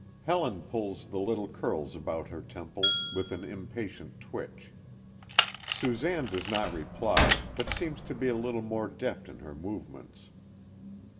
Helen pulls the little curls about her temples, with an impatient twitch. Susanne does not reply, but seems to be a little more deft in her movements.